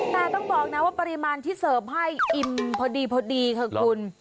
แต่ต้องบอกนะว่าปริมาณที่เสิร์ฟให้อิ่มพอดีค่ะคุณ